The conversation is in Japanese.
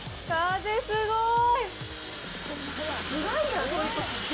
風、すごーい。